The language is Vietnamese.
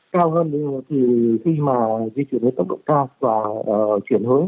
cao hơn thì khi mà di chuyển tới tốc độ cao và chuyển hướng